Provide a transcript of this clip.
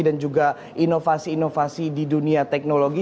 dan juga inovasi inovasi di dunia teknologi